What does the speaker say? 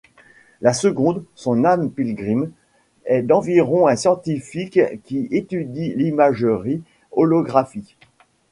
La seconde, Son âme Pilgrim, est d'environ un scientifique qui étudie l'imagerie holographique.